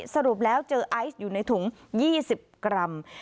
สรุปแล้วเจอไอซ์อยู่ในถุง๒๐กรัม